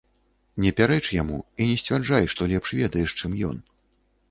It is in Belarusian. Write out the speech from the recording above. Не пярэч яму і не сцвярджай, што лепш ведаеш, чым ён.